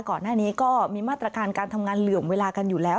ก่อนหน้านี้ก็มีมาตรการการทำงานเหลื่อมเวลากันอยู่แล้ว